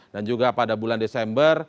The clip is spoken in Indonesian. dan juga pada bulan desember